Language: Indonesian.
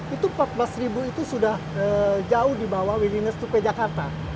itu rp empat belas itu sudah jauh dibawah willingness to pay jakarta